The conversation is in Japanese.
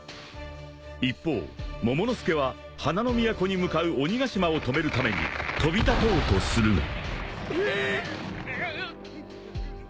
［一方モモの助は花の都に向かう鬼ヶ島を止めるために飛び立とうとするが］え。